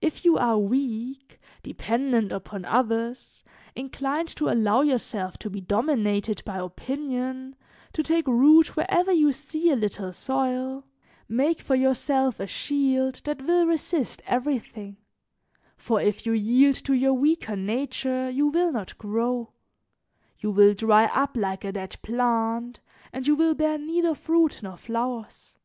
"If you are weak, dependent upon others, inclined to allow yourself to be dominated by opinion, to take root wherever you see a little soil, make for yourself a shield that will resist everything, for if you yield to your weaker nature you will not grow, you will dry up like a dead plant, and you will bear neither fruit nor flowers.